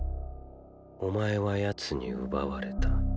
お前は奴に奪われた。